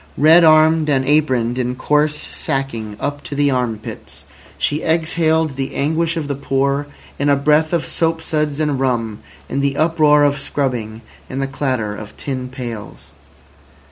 Red armed, and aproned in coarse sacking up to the arm pits, she exhaled the anguish of the poor in a breath of soap suds and rum, in the uproar of scrubbing, in the clatter of tin pails.